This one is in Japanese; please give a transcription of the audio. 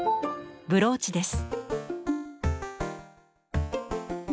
ブローチです。